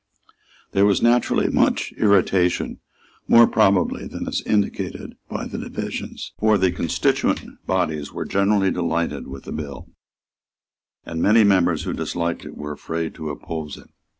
There was naturally much irritation, more probably than is indicated by the divisions. For the constituent bodies were generally delighted with the bill; and many members who disliked it were afraid to oppose it.